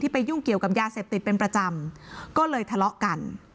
ไปยุ่งเกี่ยวกับยาเสพติดเป็นประจำก็เลยทะเลาะกัน